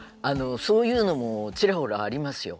そういうのもちらほらありますよ。